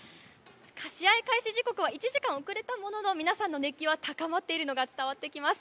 試合開始時刻は１時間遅れたものの皆さんの熱気が高まっているのが伝わってきます。